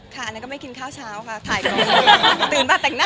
ค่ะอันนั้นก็ไม่กินข้าวเช้าค่ะถ่ายก่อนเลยตื่นมาแต่งหน้าถ่ายก่อนเลยค่ะ